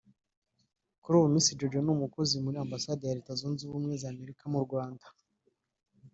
Kuri ubu Miss Jojo ni umukozi muri Ambasade ya Leta Zunze Ubumwe za Amerika mu Rwanda